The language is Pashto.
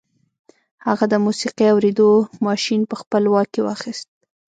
هغه د موسیقي اورېدو ماشين په خپل واک کې واخیست